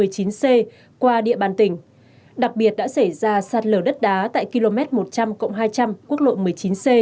hai mươi năm một mươi chín c qua địa bàn tỉnh đặc biệt đã xảy ra sạt lở đất đá tại km một trăm linh hai trăm linh quốc lộ một mươi chín c